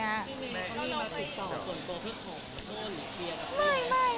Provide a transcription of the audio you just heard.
มีแม่งที่มาติดต่อคนโปรภิกษ์ของผู้โทษหรือเรียกอะไร